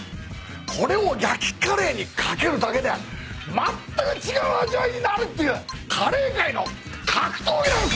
これを焼きカレーに掛けるだけでまったく違う味わいになるっていうカレー界の格闘技なんすよ！